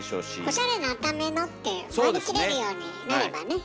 おしゃれのためのって割り切れるようになればね。